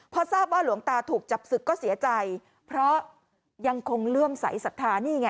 พอทราบว่าหลวงตาถูกจับศึกก็เสียใจเพราะยังคงเลื่อมใสสัทธานี่ไง